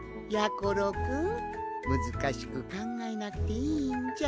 ころくんむずかしくかんがえなくていいんじゃ。